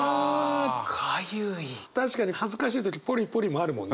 確かに恥ずかしい時ポリポリもあるもんね。